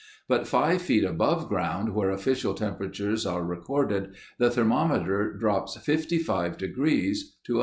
But five feet above ground where official temperatures are recorded the thermometer drops 55 degrees to 125.